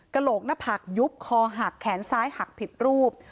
โหลกหน้าผักยุบคอหักแขนซ้ายหักผิดรูป